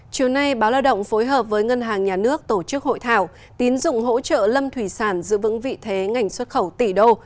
chiều nay báo lao động phối hợp với ngân hàng nhà nước tổ chức hội thảo tín dụng hỗ trợ lâm thủy sản giữ vững vị thế ngành xuất khẩu tỷ đô